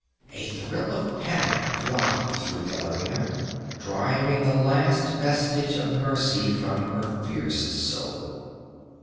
A thrill of panic throbbed through Valeria, driving the last vestige of mercy from her fierce soul.